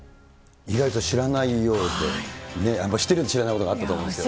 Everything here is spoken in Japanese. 意外と知らないようで、知らないことがあったと思うんですけど。